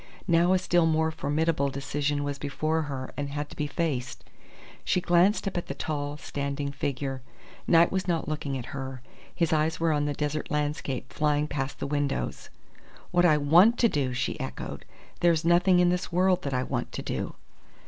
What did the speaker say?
Now a still more formidable decision was before her and had to be faced. She glanced up at the tall, standing figure. Knight was not looking at her. His eyes were on the desert landscape flying past the windows. "What I want to do!" she echoed. "There's nothing in this world that I want to do."